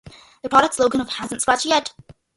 The product's slogan of Hasn't Scratched Yet!